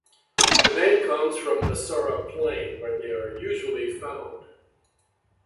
The name comes from the Messara Plain where they are usually found.